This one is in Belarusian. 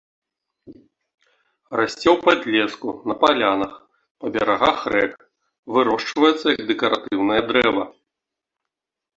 Расце ў падлеску, на палянах, па берагах рэк, вырошчваецца як дэкаратыўнае дрэва.